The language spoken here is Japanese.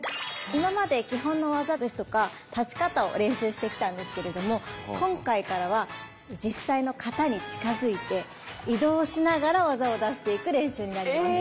今まで基本の技ですとか立ち方を練習してきたんですけれども今回からは実際の形に近づいて移動しながら技を出していく練習になります。